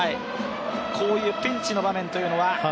こういうピンチの場面というのは？